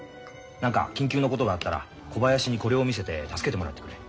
何か緊急のことがあったら小林にこれを見せて助けてもらってくれ。